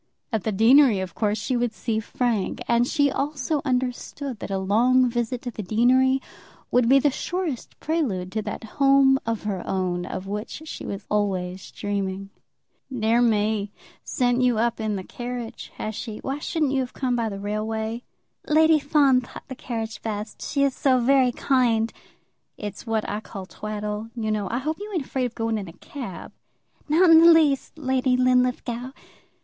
At the deanery of course she would see Frank; and she also understood that a long visit to the deanery would be the surest prelude to that home of her own of which she was always dreaming. "Dear me; sent you up in the carriage, has she? Why shouldn't you have come by the railway?" "Lady Fawn thought the carriage best. She is so very kind." "It's what I call twaddle, you know. I hope you ain't afraid of going in a cab." "Not in the least, Lady Linlithgow."